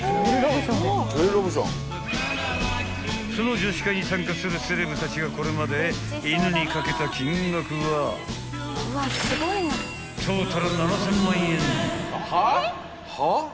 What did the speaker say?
［その女子会に参加するセレブたちがこれまで犬にかけた金額はトータル］